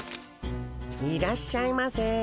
いらっしゃいませ。